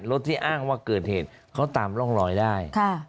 ที่อ้างว่าเกิดเหตุเขาตามร่องรอยได้